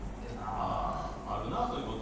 ああ、あるな、そういうこと。